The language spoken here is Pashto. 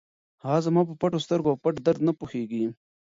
هغه زما په پټو سترګو او پټ درد نه پوهېږي.